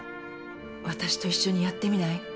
私と一緒にやってみない？